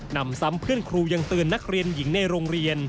นำซ้ำเพื่อนครูยังเตือนนักเรียนหญิงในโรงเรียน